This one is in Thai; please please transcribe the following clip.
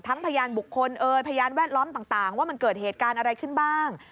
พยานบุคคลเอ่ยพยานแวดล้อมต่างว่ามันเกิดเหตุการณ์อะไรขึ้นบ้าง